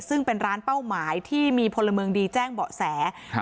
ซึ่งเป็นร้านเป้าหมายที่มีพลเมืองดีแจ้งเบาะแสครับ